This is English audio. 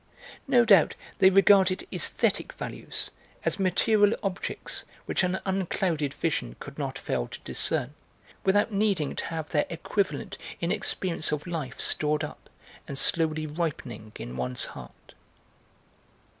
No doubt they regarded aesthetic values as material objects which an unclouded vision could not fail to discern, without needing to have their equivalent in experience of life stored up and slowly ripening in one's heart.